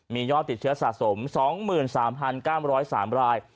มียอดติดเชื้อสะสม๒๓๙๐๓ราย